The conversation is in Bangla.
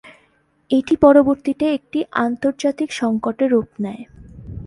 এটি পরবর্তীতে একটি আন্তর্জাতিক সংকটে রূপ নেয়।